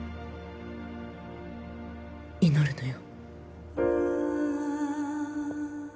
祈るのよ